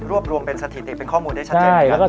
รวบรวมเป็นสถิติข้อมูลได้ชัดเจน